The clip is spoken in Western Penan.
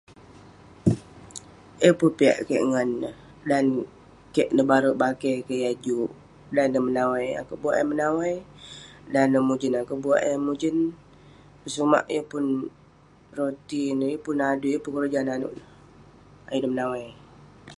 Yeng pun piak kik ngan neh. Dan kek nebare bakeh kik yah juk, dan neh menawai akouk buak eh menawai. Dan neh mujen, akouk buak eh mujen. Pesumak, yeng pun roti neh, yeng pun adui, yeng pun keroja nanouk neh. Ayuk neh menawai.